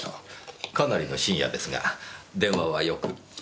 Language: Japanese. かなりの深夜ですが電話はよく？